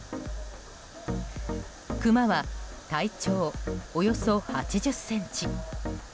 クマは体長およそ８０ｃｍ。